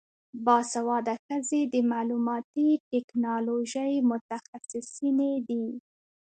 باسواده ښځې د معلوماتي ټیکنالوژۍ متخصصینې دي.